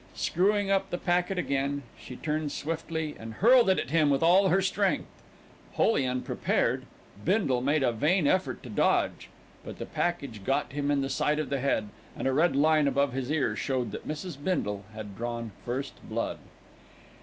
Screwing up the packet again, she turned swiftly and hurled it at him with all her strength. Wholly unprepared, Bindle made a vain effort to dodge; but the package got him on the side of the head, and a red line above his ear showed that Mrs. Bindle had drawn first blood.